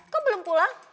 kok belum pulang